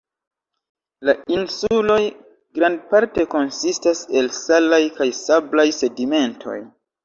La insuloj grandparte konsistas el salaj kaj sablaj sedimentoj.